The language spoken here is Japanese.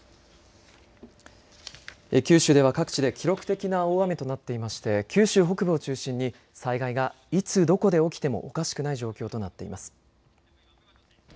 九州では各地で記録的な大雨となっていまして九州北部を中心に災害がいつ、どこで起きてもおかしくない状況となっています。